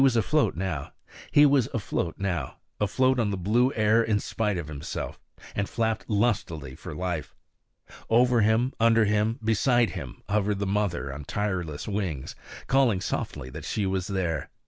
He was afloat now, afloat on the blue air in spite of himself, and flapped lustily for life. Over him, under him, beside him hovered the mother on tireless wings, calling softly that she was there.